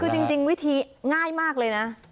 คือจริงวิธีง่ายมากเลยนะ